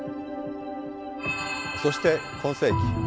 そして今世紀。